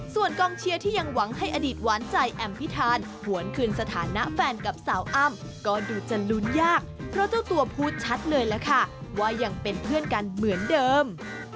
ส่วนกองเชียร์ที่ยังหวังให้อดีตหวานใจแอมพิธานหวนคืนสถานะแฟนกับสาวอ้ำก็ดูจะลุ้นยากเพราะเจ้าตัวพูดชัดเลยล่ะค่ะว่ายังเป็นเพื่อนกันเหมือนเดิม